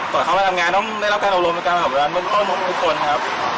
ก่อนเข้ามาทำงานต้องได้รับแค่รวมรวมกับการรับร้านเบอร์โครมทุกคนครับ